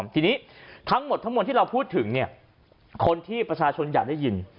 ทีนี้ทั้งหมดทั้งหมดที่เราพูดถึงคนที่ประชาชนอยากได้ยิน